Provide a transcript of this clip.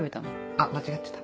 あっ間違ってた？